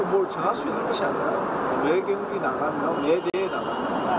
bahkan keduanya dulu bawang merah dazu